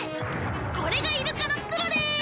これがイルカのクロです！